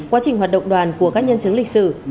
quá trình hoạt động đoàn của các nhân chứng lịch sử